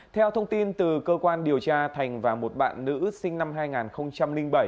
theo thông tin từ cơ quan điều tra thành và một bạn nữ sinh năm hai nghìn bảy